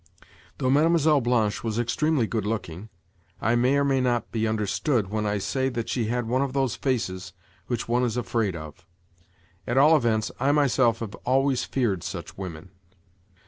Though Mlle. Blanche was extremely good looking, I may or may not be understood when I say that she had one of those faces which one is afraid of. At all events, I myself have always feared such women.